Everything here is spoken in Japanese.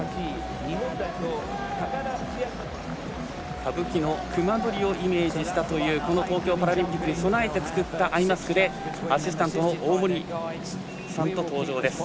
歌舞伎の隈取りをイメージしたというこの東京パラリンピックに備えて作ったアイマスクでアシスタントの大森さんと登場です。